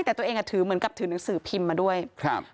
แต่ตัวเองอ่ะถือเหมือนกับถือหนังสือพิมพ์มาด้วยครับ